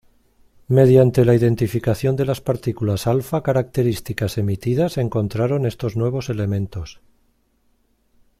Mediante la identificación de las partículas alfa características emitidas encontraron estos nuevos elementos.